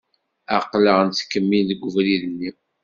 Aqlaɣ nettkemmil deg ubrid-nni.